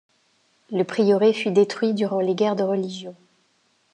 Le prieuré fut détruit durant les guerres de religion.